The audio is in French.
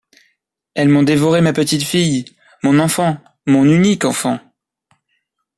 Elles m’ont dévoré ma petite fille! mon enfant, mon unique enfant !